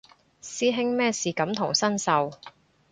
師兄咩事感同身受